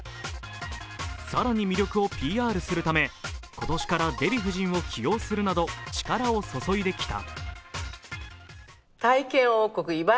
更に魅力をＰＲするため今年からデヴィ夫人を起用するなど力を注いできた。